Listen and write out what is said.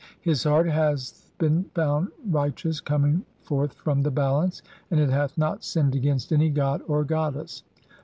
His heart hath been [found] right "eous coming forth from the balance, and it hath not "sinned against any god or goddess.